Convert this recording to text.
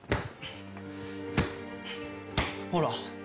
ほら。